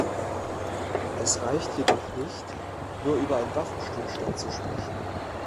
Es reicht jedoch nicht, nur über einen Waffenstillstand zu sprechen.